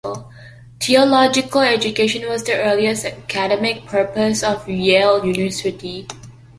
Theological education was the earliest academic purpose of Yale University.